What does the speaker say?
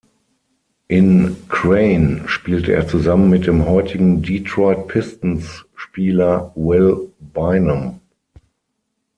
In Crane spielte er zusammen mit dem heutigen Detroit Pistons-Spieler Will Bynum.